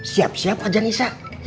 siap siap saja nisa